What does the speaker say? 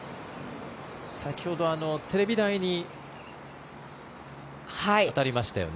先ほどテレビ台に当たりましたよね